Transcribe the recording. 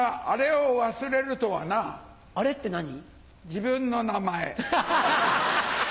自分の名前。